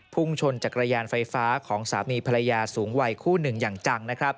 พุ่งชนจากกระยานไฟฟ้าของสามีภรรยาสูงไวคู่หนึ่งอย่างจัง